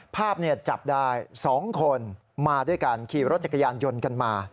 ภาพจับได้๒คนมาด้วยกันขี่รถจักรยานยนต์กันมา